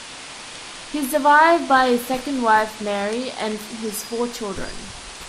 He was survived by his second wife, Mary, and his four children.